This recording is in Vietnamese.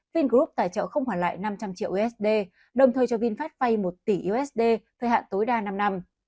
vingroup tài trợ không hoàn lại năm trăm linh triệu usd đồng thời cho vinfast vay một tỷ usd thời hạn tối đa năm năm